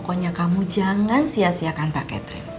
pokoknya kamu jangan sia siakan mbak catherine